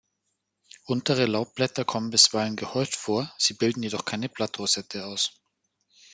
Untere Laubblätter kommen bisweilen gehäuft vor, sie bilden jedoch keine Blattrosette aus.